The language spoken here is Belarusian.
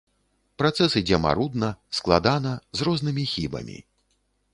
Працэс ідзе марудна, складана, з рознымі хібамі.